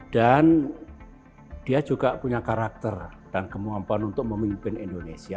dan dia juga punya karakter dan kemampuan untuk memimpin indonesia